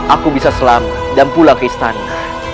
aku bisa selamat dan pulang ke istana